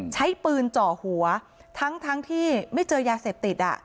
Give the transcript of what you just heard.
ใช้ปืนเจาะหัวทั้งที่ไม่เจอยาเสพติด